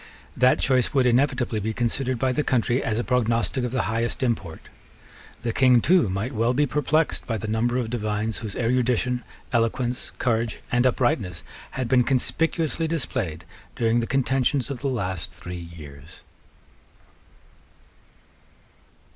That choice would inevitably be considered by the country as a prognostic of the highest import. The King too might well be perplexed by the number of divines whose erudition, eloquence, courage, and uprightness had been conspicuously displayed during the contentions of the last three years.